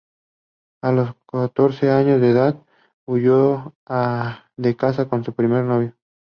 A los catorce años de edad huyó de casa con su primer novio.